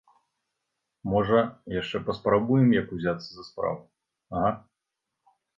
Можа, яшчэ паспрабуем як узяцца за справу, га?